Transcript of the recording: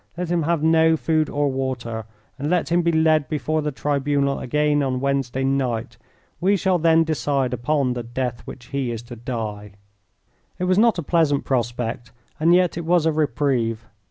Let him have no food or water, and let him be led before the tribunal again on Wednesday night. We shall then decide upon the death which he is to die." It was not a pleasant prospect, and yet it was a reprieve.